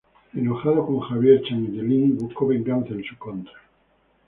Enojado con Xavier, Changeling buscó venganza en su contra.